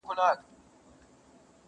راسه قاسم یاره نن یو څه شراب زاړه لرم.